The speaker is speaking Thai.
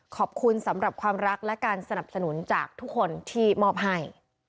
ขอบคุณสำหรับความรักและการสนับสนุนจากทุกคนที่มอบให้